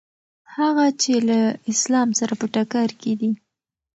هغه چې له اسلام سره په ټکر کې دي.